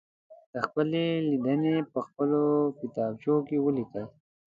خپلې لیدنې په خپلو کتابچو کې ولیکئ.